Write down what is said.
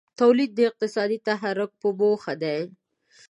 تولید د اقتصادي تحرک په موخه دی.